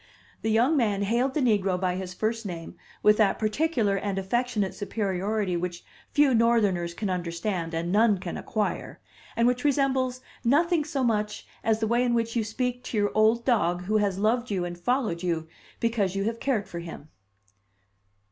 The young man hailed the negro by his first name with that particular and affectionate superiority which few Northerners can understand and none can acquire, and which resembles nothing so much as the way in which you speak to your old dog who has loved you and followed you, because you have cared for him.